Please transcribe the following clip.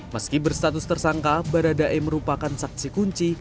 meski berstatus tersangka baradae merupakan saksi kunci